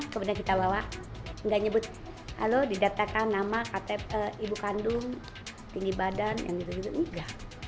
kemudian kita bawa nggak nyebut halo didatakan nama ibu kandung tinggi badan yang gitu juga enggak